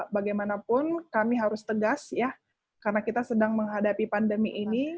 bagaimanapun kami harus tegas ya karena kita sedang menghadapi pandemi ini